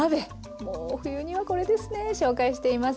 もう冬にはこれですね紹介しています。